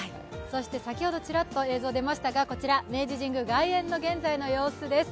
先ほどちらっと映像で増したが、こちら明治神宮外苑の現在の様子です